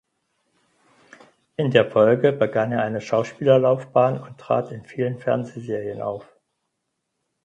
In der Folge begann er eine Schauspielerlaufbahn und trat in vielen Fernsehserien auf.